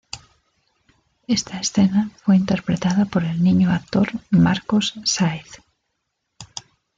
Esta escena fue interpretada por el niño-actor Marcos Sáez.